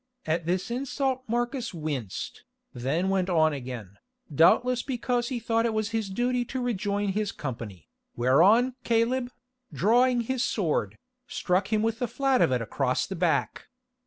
At this insult Marcus winced, then went on again, doubtless because he thought it his duty to rejoin his company, whereon Caleb, drawing his sword, struck him with the flat of it across the back.